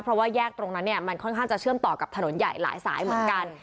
เพราะว่าแยกตรงนั้นเนี่ยมันค่อนข้างจะเชื่อมต่อกับถนนใหญ่หลายสายเหมือนกัน